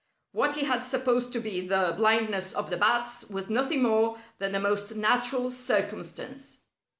What he had supposed to be the blindness of the bats was nothing more than a most natural circumstance.